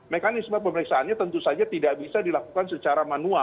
mekanisme pemeriksaannya tentu saja tidak bisa dilakukan